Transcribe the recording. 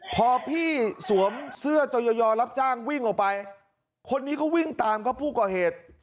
พอพี่สวมเสื้อจอยอรับจ้างวิ่งออกไปคนนี้ก็วิ่งตามครับผู้ก่อเหตุ